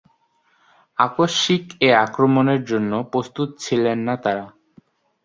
আকস্মিক এ আক্রমণের জন্য প্রস্তুত ছিলেন না তারা।